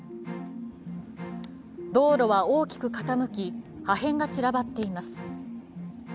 道路は大きく傾き、破片が散らばっています。